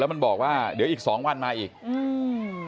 มันบอกว่าเดี๋ยวอีกสองวันมาอีกอืม